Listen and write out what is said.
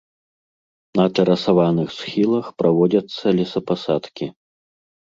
На тэрасаваных схілах праводзяцца лесапасадкі.